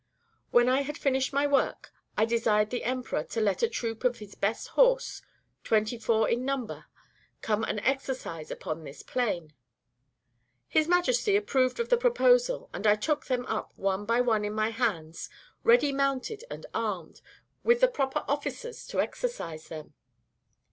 When I had finished my work, I desired the emperor to let a troop of his best horse, twenty four in number, come and exercise upon this plain. His Majesty approved of the proposal, and I took them up one by one in my hands, ready mounted and armed, with the proper officers to exercise them.